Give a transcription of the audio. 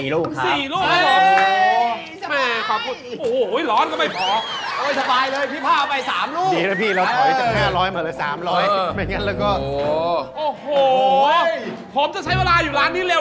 รูป๒๕บาทคะหล้อเกี่ยวกันรูปครับ